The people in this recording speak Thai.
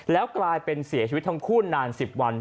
แล้วกลายเป็นเสียชีวิตทั้งคู่นาน๑๐วัน